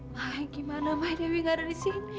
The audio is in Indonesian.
maya gimana maya dewi gak ada di sini